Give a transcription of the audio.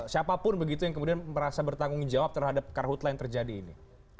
siapapun begitu yang kemudian merasa bertanggung jawab terhadap karhutlah yang terjadi ini